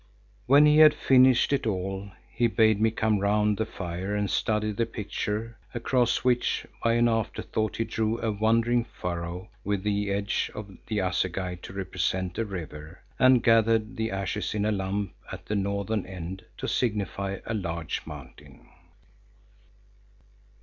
When he had finished it all he bade me come round the fire and study the picture across which by an after thought he drew a wandering furrow with the edge of the assegai to represent a river, and gathered the ashes in a lump at the northern end to signify a large mountain.